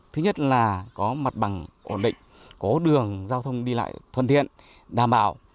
thứ nhất là có mặt bằng ổn định có đường giao thông đi lại thuận tiện đảm bảo